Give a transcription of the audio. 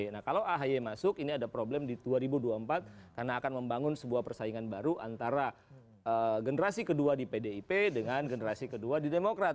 nah kalau ahy masuk ini ada problem di dua ribu dua puluh empat karena akan membangun sebuah persaingan baru antara generasi kedua di pdip dengan generasi kedua di demokrat